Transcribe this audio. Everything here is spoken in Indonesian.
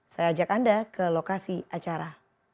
saya ajak anda ke lokasi acara